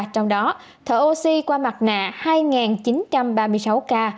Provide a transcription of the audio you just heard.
trong đó thở oxy qua mặt nạ hai chín trăm ba mươi sáu ca